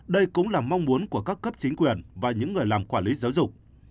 đây cũng là mong muốn của các cấp chính quyền và những người làm quản lý giáo dục